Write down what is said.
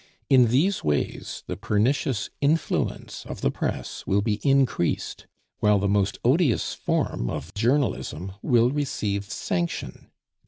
In these ways the pernicious influence of the press will be increased, while the most odious form of journalism will receive sanction.